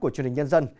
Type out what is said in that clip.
của truyền hình nhân dân